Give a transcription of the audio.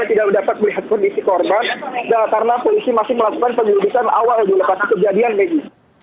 saya tidak dapat melihat kondisi korban karena polisi masih melakukan penyelidikan awal di lokasi kejadian megi